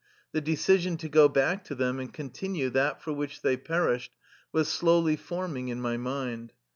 The decision to go back to them and continue that for which they perished was slowly forming in my mind.